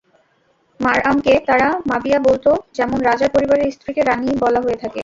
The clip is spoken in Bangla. মারয়ামকে তারা মাবিয়াহ বলত, যেমন রাজার পরিবারের স্ত্রীকে রানী বলা হয়ে থাকে।